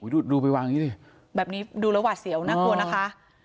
ดูไปวางอย่างนี้ดิแบบนี้ดูแล้วหวาดเสียวน่ากลัวนะคะ